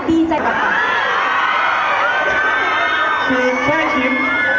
พี่ขี้แก้ยิ้ม